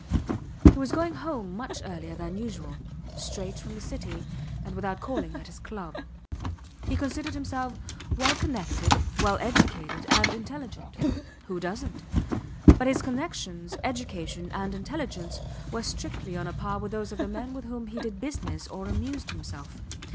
He was going home much earlier than usual, straight from the City and without calling at his club. He considered himself well connected, well educated and intelligent. Who doesnt? But his connections, education and intelligence were strictly on a par with those of the men with whom he did business or amused himself.